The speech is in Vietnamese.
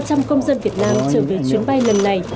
một trăm linh công dân việt nam trở về chuyến bay lần này